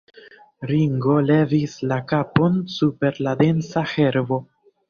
Ringo levis la kapon super la densa herbo.